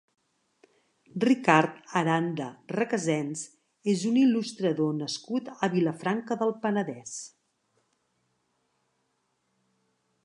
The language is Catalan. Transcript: Ricard Aranda Recasens és un il·lustrador nascut a Vilafranca del Penedès.